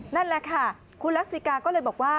นั่นแหละค่ะคุณลักษิกาก็เลยบอกว่า